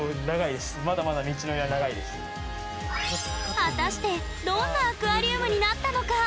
果たして、どんなアクアリウムになったのか？